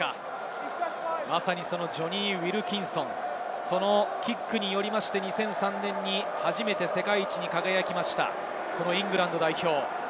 まさにジョニー・ウィルキンソン、そのキックによって２００３年に初めて世界一に輝きました、イングランド代表。